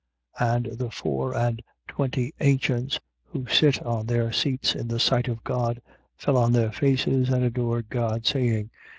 11:16. And the four and twenty ancients who sit on their seats in the sight of God, fell on their faces and adored God, saying: 11:17.